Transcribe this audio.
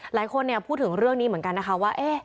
หลายคนพูดถึงเรื่องนี้เหมือนกันนะคะว่า